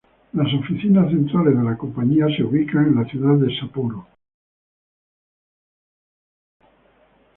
Las oficinas centrales de la compañía se ubican en la ciudad de Sapporo.